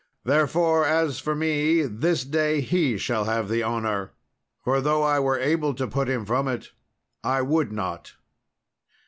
Therefore, as for me, this day he shall have the honour; for though I were able to put him from it, I would not."